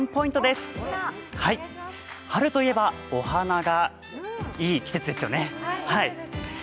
春といえばお花がいい季節ですよね。